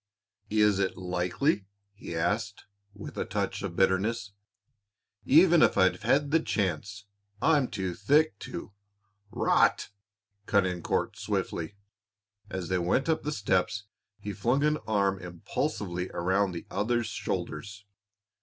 "Is it likely?" he asked, with a touch of bitterness. "Even if I'd had the chance, I'm too thick to " "Rot!" cut in Court, swiftly. As they went up the steps he flung an arm impulsively around the other's shoulders.